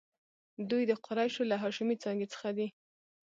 دوی د قریشو له هاشمي څانګې څخه دي.